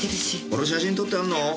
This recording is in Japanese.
これ写真撮ってあんの？